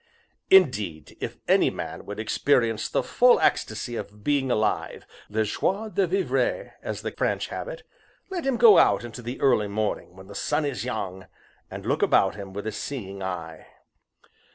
Indeed, if any man would experience the full ecstasy of being alive the joi de vivre as the French have it let him go out into the early morning, when the sun is young, and look about him with a seeing eye.